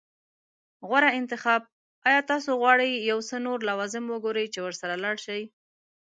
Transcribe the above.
غوره انتخاب. ایا تاسو غواړئ یو څه نور لوازم وګورئ چې ورسره لاړ شئ؟